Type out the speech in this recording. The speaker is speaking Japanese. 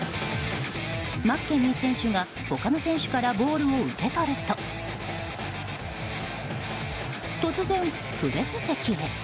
マッケニー選手が他の選手からボールを受け取ると突然、プレス席へ。